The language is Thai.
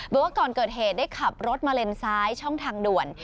บอกว่าก่อนเกิดเหตุได้ขับรถมาเลนซ้ายช่องทางด่วน